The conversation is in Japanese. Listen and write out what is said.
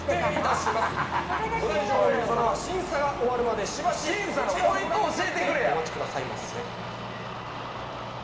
ご来場の皆様は審査が終わるまでしばしこちらをご覧になってお待ちくださいませ。